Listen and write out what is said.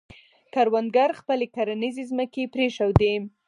کروندګرو خپلې کرنیزې ځمکې پرېښودې.